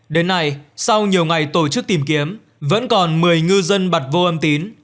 đến nay sau nhiều ngày tổ chức tìm kiếm vẫn còn một mươi ngư dân bật vô âm tín